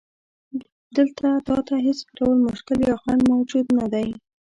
دلته تا ته هیڅ ډول مشکل یا خنډ موجود نه دی.